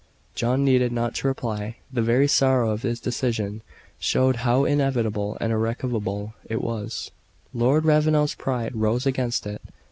John needed not to reply. The very sorrow of his decision showed how inevitable and irrevocable it was. Lord Ravenel's pride rose against it.